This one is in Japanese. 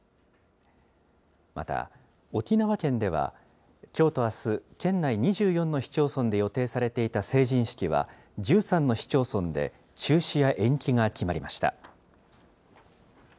また、沖縄県ではきょうとあす、県内２４の市町村で予定されていた成人式は、１３の市町村で中止や延期が決まりました。